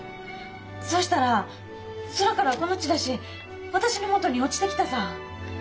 そしたら空からこのチラシ私のもとに落ちてきたさぁ。